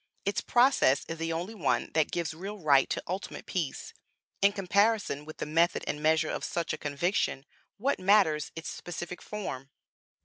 Its process is the only one that gives real right to ultimate peace. In comparison with the method and measure of such a conviction, what matters its specific form?